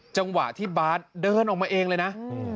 จังหวะที่บาร์ดเดินออกมาเองเลยนะ